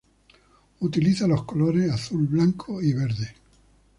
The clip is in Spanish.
Utiliza los colores azul, blanco y verde.